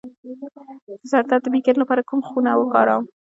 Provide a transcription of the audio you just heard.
د سر درد د میګرین لپاره کومه خونه وکاروم؟